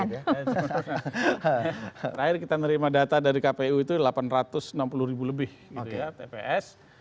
terakhir kita menerima data dari kpu itu delapan ratus enam puluh ribu lebih tps